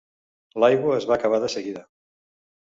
L'aigua es va acabar de seguida.